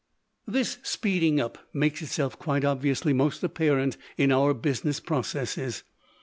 This speeding up makes itself quite obviously most apparent in our business processes.